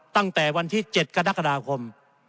ตั้งแต่วันที่๗กรกฎาคม